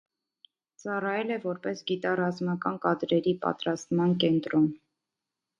Ծառայել է որպես գիտառազմական կադրերի պատրաստման կենտրոն։